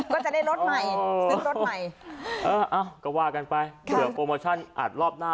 ก็จะได้รถใหม่เอ้อก็ว่ากันไปเผื่อโฟโมเชันรอบหน้า